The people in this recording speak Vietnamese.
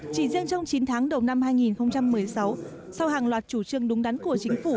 chỉ riêng trong chín tháng đầu năm hai nghìn một mươi sáu sau hàng loạt chủ trương đúng đắn của chính phủ